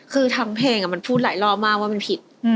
คือทั้งเพลงมันพูดหลายรอบมากว่ามันผิด